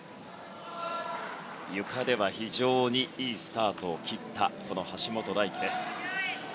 ゆかでは非常にいいスタートを切った、橋本大輝。